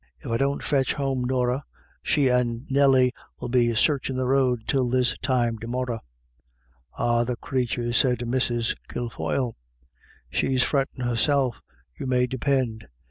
If I don't fetch home Norah, she and Nelly '11 be for searchin' the road till this time to morra." "Ah, the crathur," said Mrs. Kilfoyle, "she's frettin' herself, you may depind.